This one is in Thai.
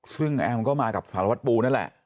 ซึ่งแอมก็มากับสารวัตรปูนั่นแหละ